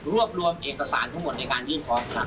รวบรวมเอกสารทั้งหมดในการยื่นฟ้องครับ